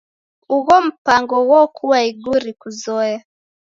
Ugho mpango ghokua iguri kuzoya.